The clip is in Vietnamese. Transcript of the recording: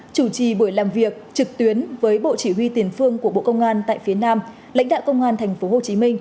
chủ trì buổi làm việc trực tuyến với bộ chỉ huy tiền phương của bộ công an tại phía nam lãnh đạo công an tp hcm